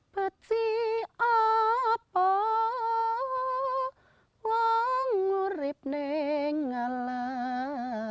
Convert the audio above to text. petsi apa wangurip nengalah